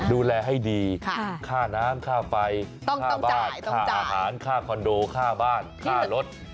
ดูแลให้ดีค่าน้ำค่าไฟค่าบ้านค่าอาหารค่าคอนโดค่าบ้านค่ารถ